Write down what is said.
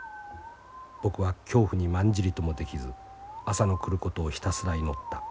僕は恐怖にまんじりともできず朝の来ることをひたすら祈った。